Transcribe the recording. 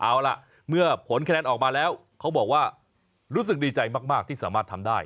เอาล่ะเมื่อผลคะแนนออกมาแล้วเขาบอกว่ารู้สึกดีใจมากที่สามารถทำได้